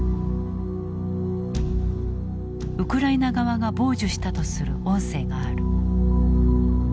ウクライナ側が傍受したとする音声がある。